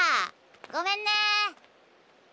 ごめんね。